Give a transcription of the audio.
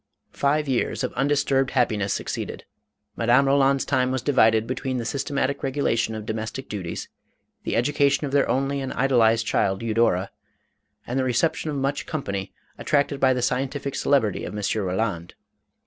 Five years of undisturbed happiness succeeded. Madame Roland's time was divided between the sys tematic regulation of domestic duties, the education of their only and idolized child Eudora, and the reception of much company, attracted by the scientific celebrity of M. Roland.